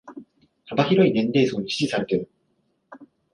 幅広い年齢層に支持されてる